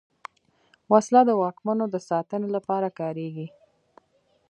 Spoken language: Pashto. وسله د واکمنو د ساتنې لپاره کارېږي